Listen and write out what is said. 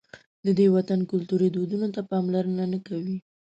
د دې وطن کلتوري دودونو ته پاملرنه نه کوي.